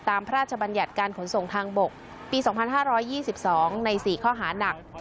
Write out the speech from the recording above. พระราชบัญญัติการขนส่งทางบกปี๒๕๒๒ใน๔ข้อหานัก